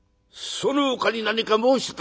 そのほかに何か申したか？」。